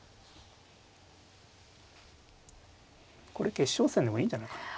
これ決勝戦でもいいんじゃないかな。